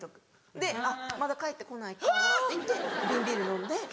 で「あっまだ帰って来ないから」っていって瓶ビール飲んで。